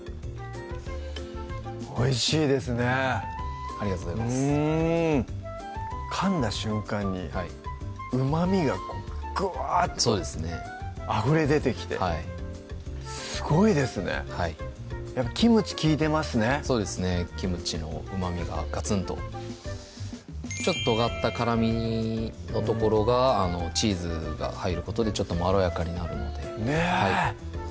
おいしいですねありがとうございますうんかんだ瞬間にうまみがこうグワーッとそうですねあふれ出てきてすごいですねはいキムチ利いてますねそうですねキムチのうまみががつんとちょっととがった辛みのところがチーズが入ることでちょっとまろやかになるのでねぇ